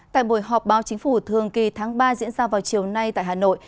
tại buổi họp báo chính phủ thường kỳ tháng ba diễn ra vào chiều nay tại hà nội